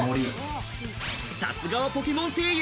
さすがはポケモン声優。